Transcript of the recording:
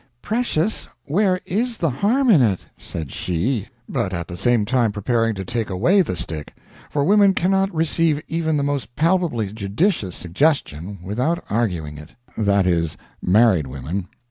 "Precious, where is the harm in it?" said she, but at the same time preparing to take away the stick for women cannot receive even the most palpably judicious suggestion without arguing it; that is, married women.